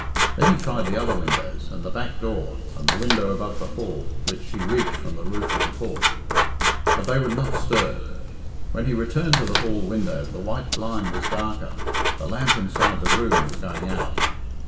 Then he tried the other windows, and the back door, and the window above the hall, which he reached from the roof of the porch; but they would not stir. When he returned to the hall window, the white blind was darker. The lamp inside the room was going out.